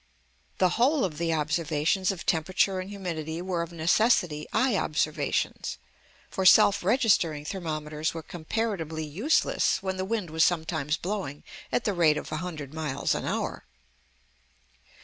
The whole of the observations of temperature and humidity were of necessity eye observations. For self registering thermometers were comparatively useless when the wind was sometimes blowing at the rate of 100 miles an hour.